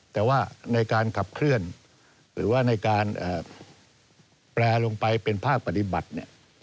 แต่ว่าในการขับเคลื่อนหรือว่าในการแปลลงไปเป็นภาคปฏิบัติเนี่ย